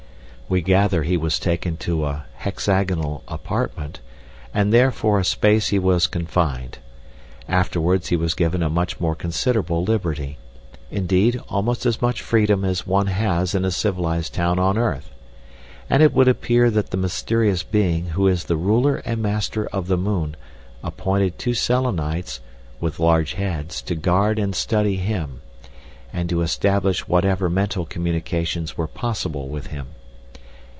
We gather he was taken to a "hexagonal apartment," and there for a space he was confined. Afterwards he was given a much more considerable liberty; indeed, almost as much freedom as one has in a civilised town on earth. And it would appear that the mysterious being who is the ruler and master of the moon appointed two Selenites "with large heads" to guard and study him, and to establish whatever mental communications were possible with him.